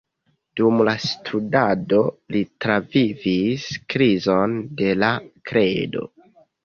Dum la studado li travivis krizon de la kredo.